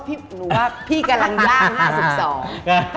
หนูว่าพี่กำลังล่าง๕๒